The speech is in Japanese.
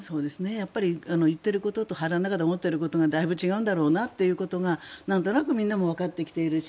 やっぱり言っていることと腹の中で思っていることがだいぶ違うんだろうなということがなんとなくみんなもわかってきているし。